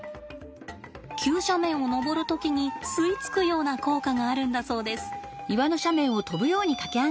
急斜面を登る時に吸い付くような効果があるんだそうです。